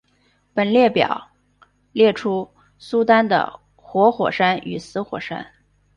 本列表列出苏丹的活火山与死火山。